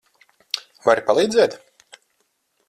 Vari palīdzēt?